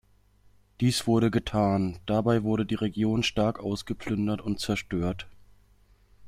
Dies wurde getan, dabei wurde die Region stark ausgeplündert und zerstört.